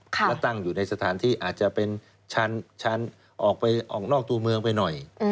และตั้งอยู่ในสถานที่อาจจะเป็นออกนอกตัวเมืองไปหน่อย